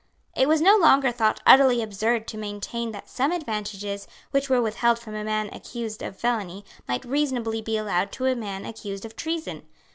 It was no longer thought utterly absurd to maintain that some advantages which were withheld from a man accused of felony might reasonably be allowed to a man accused of treason.